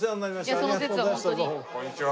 こんにちは。